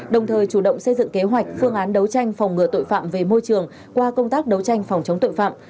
đồng thời chủ động xây dựng kế hoạch phương án đấu tranh phòng ngừa tội phạm về môi trường qua công tác đấu tranh phòng chống tội phạm